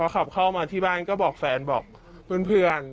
ขับเข้ามาที่บ้านก็บอกแฟนบอกเพื่อน